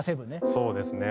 そうですね。